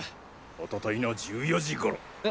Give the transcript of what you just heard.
おとといの１４時頃。え？